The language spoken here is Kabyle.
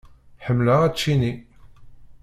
Ḥemmleɣ ačini.